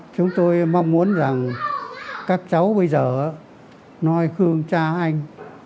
chúng tôi mong muốn rằng các cháu bây giờ noi khương cha anh